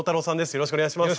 よろしくお願いします。